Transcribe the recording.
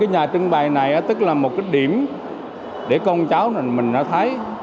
nhà trưng bày này tức là một cái điểm để con cháu mình đã thấy